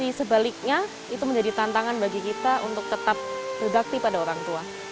tapi sebaliknya itu menjadi tantangan bagi kita untuk tetap berbakti pada orang tua